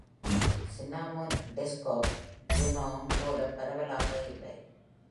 சின்னாமொன் desktop GNOME போல பரவலாக இல்லை.